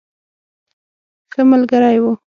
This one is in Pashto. ښه ملګری وو.